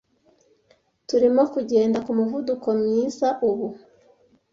Turimo kugenda kumuvuduko mwiza ubu.